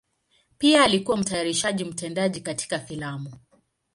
Pia alikuwa mtayarishaji mtendaji katika filamu.